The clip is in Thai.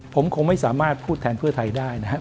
ผมคงไม่สามารถพูดแทนเพื่อไทยได้นะครับ